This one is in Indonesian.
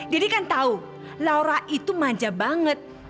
kan tahu laura itu manja banget